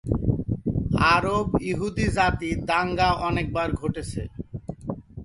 আরব-ইহুদি জাতি দাঙ্গা অনেকবার ঘটেছে।